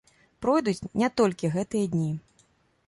Пройдуць не толькі гэтыя дні.